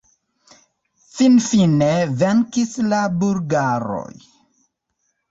Finfine venkis la bulgaroj...